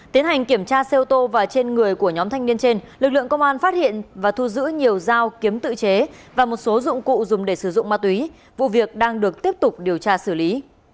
tiến hành kiểm tra xe ô tô và trên người của nhóm thanh niên trên lực lượng công an phát hiện và thu giữ nhiều dao kiếm tự chế và một số dụng cụ dùng để sử dụng ma túy vụ việc đang được tiếp tục điều tra xử lý